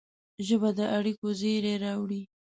ژبه د اړیکو زېری راوړي